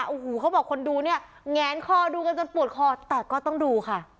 โอ้โหเขาบอกคนดูเนี่ยแงนคอดูกันจนปวดคอแต่ก็ต้องดูค่ะ